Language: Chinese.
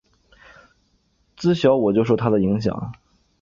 自小我就受他的影响